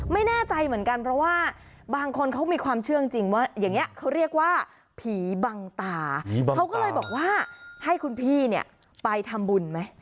ไม่แน่ใจเหมือนกันเพราะว่าบางคนเขามีความเชื่อจริงว่าอย่างนี้เขาเรียกว่าผีบังตาเขาก็เลยบอกว่าให้คุณพี่เนี่ยไปทำบุญไหม